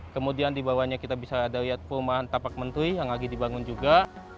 kemudian di bawahnya kita bisa lihat perumahan tapak mentui yang lagi dibangun juga